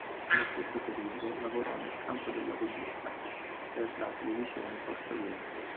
Nello stesso periodo lavorò nel campo della pubblicità, per la televisione portoghese.